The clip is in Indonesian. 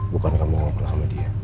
bukan kamu ngobrol sama dia